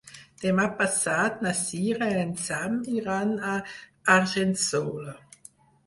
Demà passat na Cira i en Sam iran a Argençola.